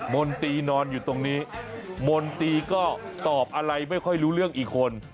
มนตรีนอนอยู่ตรงนี้มนตรีก็ตอบอะไรไม่ค่อยรู้เรื่องอีกคน